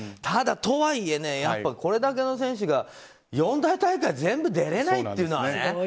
ただ、とはいえこれだけの選手が四大大会全部出られないっていうのはね。